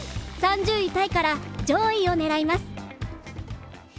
３０位タイから上位を狙います。